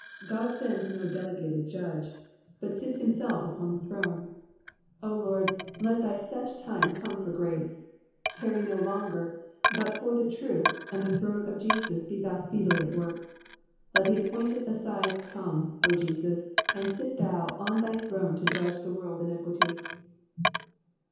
God sends no delegated judge, but sits himself upon the throne. O Lord, let thy set time come for grace. Tarry no longer, but for the truth and the throne of Jesus be thou speedily at work. Let the appointed assize come, O Jesus, and sit thou on thy throne to judge the world in equity.